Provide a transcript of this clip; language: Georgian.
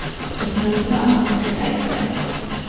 ოსმალებმა ახალციხე დაიპყრეს.